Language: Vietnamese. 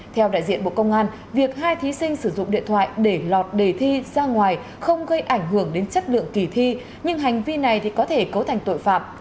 theo đại diện bộ công an việc hai thí sinh sử dụng điện thoại để lọt đề thi ra ngoài không gây ảnh hưởng đến chất lượng kỳ thi nhưng hành vi này có thể cấu thành tội phạm